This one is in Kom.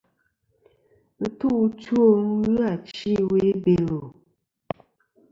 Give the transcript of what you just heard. Ɨtu ' two ghɨ achi ɨwe i Belo.